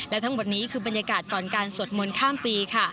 และทั้งหมดนี้คือบรรยากาศก่อนการสวดมนต์ข้ามปี